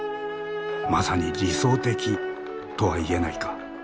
「まさに理想的」とは言えないか？